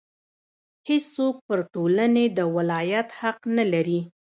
هېڅوک پر ټولنې د ولایت حق نه لري.